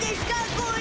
これ。